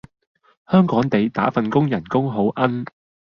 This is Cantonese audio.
香港地，打份工人工好奀